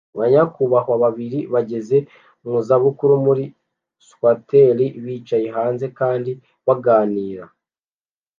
Ba nyakubahwa babiri bageze mu zabukuru muri swateri bicaye hanze kandi baganira